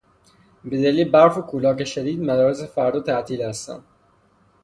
به دلیل برف و کولاک شدید، مدارس فردا تعطیل هستند